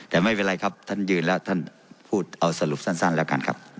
แต่ไม่เป็นไรครับท่านยืนแล้วท่านพูดเอาสรุปสั้นแล้วกันครับ